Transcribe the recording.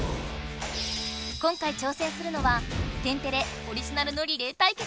今回挑戦するのは天てれオリジナルのリレー対決。